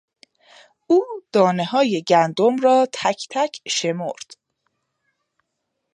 او دانههای گندم را تکتک شمرد.